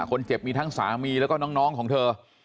คนเจ็บมีทั้งสามีแล้วก็น้องของเธอ